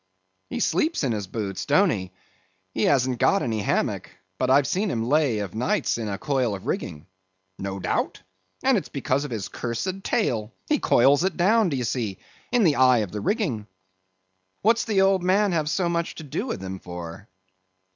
"He sleeps in his boots, don't he? He hasn't got any hammock; but I've seen him lay of nights in a coil of rigging." "No doubt, and it's because of his cursed tail; he coils it down, do ye see, in the eye of the rigging." "What's the old man have so much to do with him for?"